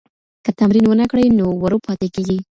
که تمرین ونکړئ نو ورو پاتې کیږئ.